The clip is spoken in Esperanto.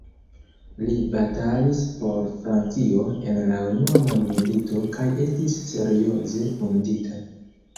Li batalis por Francio en la Unua Mondmilito kaj estis serioze vundita.